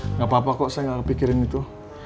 tidak apa apa saya tidak bisa pikirkan itu